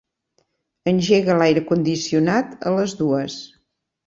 Engega l'aire condicionat a les dues.